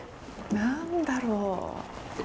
何だろう？